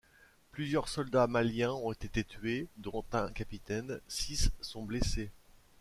Plusieurs soldats maliens ont été tués, dont un capitaine, six sont blessés.